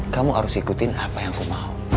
kamu harus ikutin apa yang kau mau